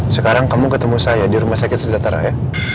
sekarang kamu ketemu saya di rumah sakit sejahtera ya